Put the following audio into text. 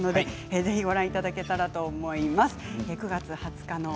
ぜひご覧いただけたらと思います。